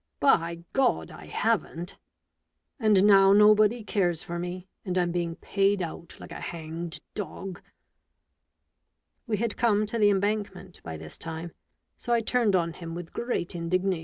By God, I haven't! And now nobody cares for me, and I'm being paid out like a hanged dog!' We had come to the Embankment by this time, so I turned on him with great indignation.